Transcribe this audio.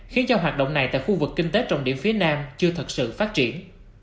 khiến cho hoạt động này tại khu vực kinh tế trọng điểm phía nam chưa thật sự phát triển